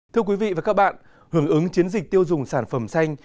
thưa quý vị và các bạn hưởng ứng chiến dịch tiêu dùng sản phẩm xanh